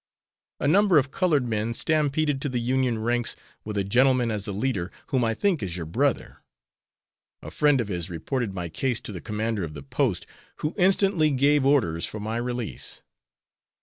A number of colored men stampeded to the Union ranks, with a gentleman as a leader, whom I think is your brother. A friend of his reported my case to the commander of the post, who instantly gave orders for my release.